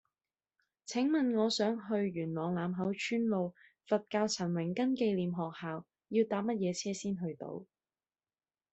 請問我想去元朗欖口村路佛教陳榮根紀念學校要搭乜嘢車先去到